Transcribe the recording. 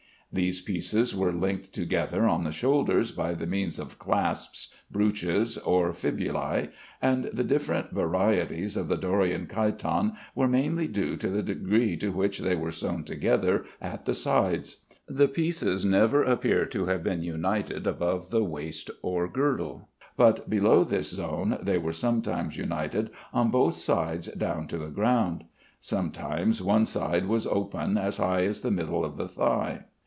These pieces were linked together on the shoulders by the means of clasps, brooches, or fibulæ, and the different varieties of the Dorian chiton were mainly due to the degree in which they were sewn together at the sides. The pieces never appear to have been united above the waist or girdle, but below this zone they were sometimes united on both sides down to the ground. Sometimes one side was open as high as the middle of the thigh.